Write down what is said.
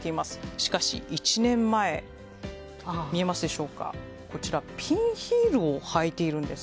しかし、１年前見えますでしょうかピンヒールを履いているんです。